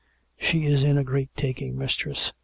" She is in a great taking, mistress.